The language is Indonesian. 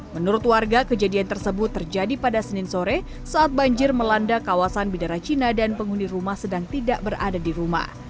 menurut warga kejadian tersebut terjadi pada senin sore saat banjir melanda kawasan bidara cina dan penghuni rumah sedang tidak berada di rumah